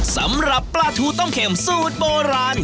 สำหรับปลาทูต้มเข็มสูตรโบราณ